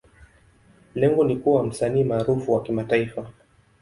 Lengo ni kuwa msanii maarufu wa kimataifa.